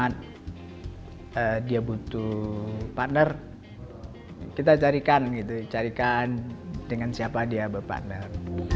atau suatu saat dia butuh partner kita carikan gitu carikan dengan siapa dia berpartner